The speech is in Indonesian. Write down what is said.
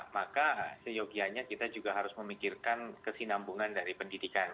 maka seyogianya kita juga harus memikirkan kesinambungan dari pendidikan